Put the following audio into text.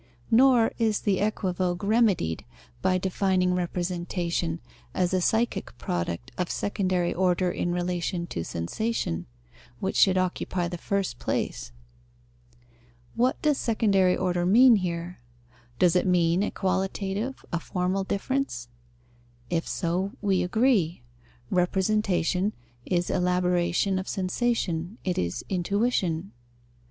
Nor is the equivoque remedied by defining representation as a psychic product of secondary order in relation to sensation, which should occupy the first place. What does secondary order mean here? Does it mean a qualitative, a formal difference? If so, we agree: representation is elaboration of sensation, it is intuition.